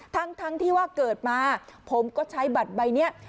ทั้งที่ว่าเกิดมาผมก็ใช้บัตรใบนี้